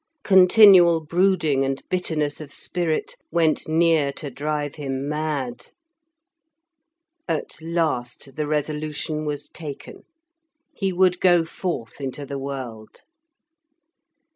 Continual brooding and bitterness of spirit went near to drive him mad. At last the resolution was taken, he would go forth into the world.